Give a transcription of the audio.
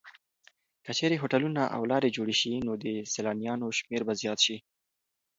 که چېرې هوټلونه او لارې جوړې شي نو د سېلانیانو شمېر به زیات شي.